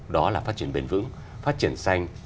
đó là phát triển bền vững phát triển xanh